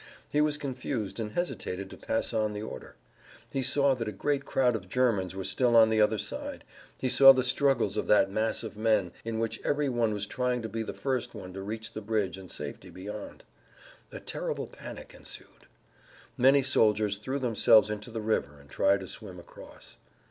He was confused and hesitated to pass on the order. He saw that a great crowd of Germans were still on the other side, he saw the struggles of that mass of men in which every one was trying to be the first one to reach the bridge and safety beyond. A terrible panic ensued. Many soldiers threw themselves into the river and tried to swim across.